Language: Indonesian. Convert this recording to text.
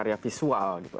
karya visual gitu